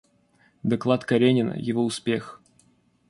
Доклад Каренина, его успех.